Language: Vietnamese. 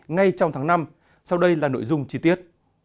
ngay trong tháng năm sau đây là nội dung chi tiết